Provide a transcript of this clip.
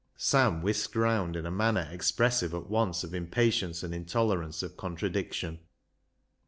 Sam whisked round in a manner expressive at once of impatience and intolerance of con tradiction.